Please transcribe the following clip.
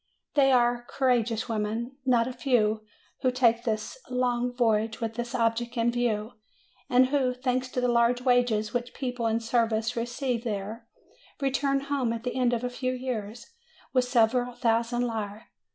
There are coura geous women not a few who take this long voyage with this object in view, and who, thanks to the large wages which people in service receive there, return home at the end of a few years with several thousand lire.